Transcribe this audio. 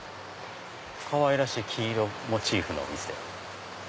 かわいらしい黄色モチーフのお店。